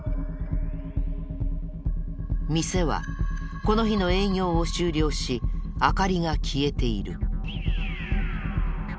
店はこの日の営業を終了し明かりが消えている。